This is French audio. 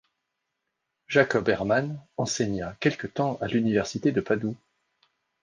Jakob Hermann enseigna quelque temps à l'université de Padoue.